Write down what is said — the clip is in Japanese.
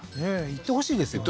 行ってほしいですよね